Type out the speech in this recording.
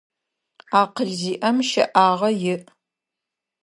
Акъыл зиIэм щэIагъэ иI.